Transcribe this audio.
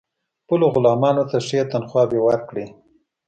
خپلو غلامانو ته ښې تنخواوې ورکړي.